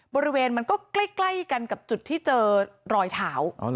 บริเวณมันก็ใกล้กันกับจุดที่เจอรอยเถา